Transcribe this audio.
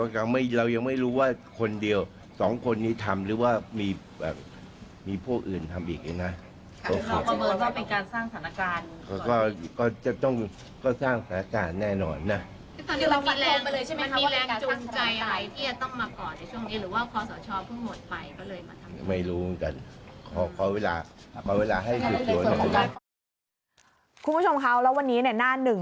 คุณผู้ชมครับแล้ววันนี้หน้าหนึ่ง